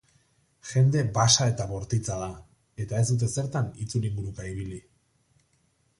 Jende basa eta bortitza da, eta ez dute zertan itzulinguruka ibili.